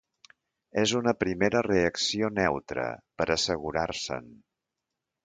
És una primera reacció neutra, per assegurar-se'n.